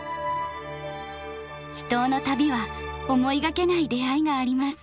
秘湯の旅は思いがけない出会いがあります。